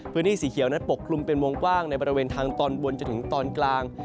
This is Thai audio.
พื้นที่สีเขียวนั้นปกคลุมเป็นวงกว้างในบริเวณทางตอนบนจนถึงตอนกลาง